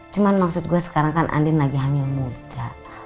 cuman maksud gue sekarang kan andien lagi hamil muda